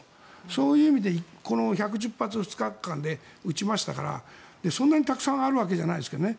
そういう意味で１１０発２日間で撃ちましたからそんなにたくさんあるわけじゃないですけどね。